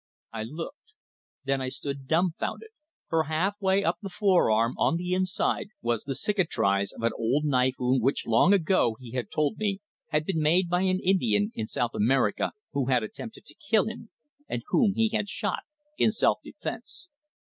I looked. Then I stood dumbfounded, for half way up the forearm, on the inside, was the cicatrice of an old knife wound which long ago, he had told me, had been made by an Indian in South America who had attempted to kill him, and whom he had shot in self defence.